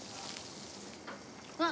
あっ！